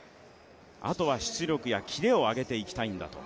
あとは出力やキレを上げていきたいんだと。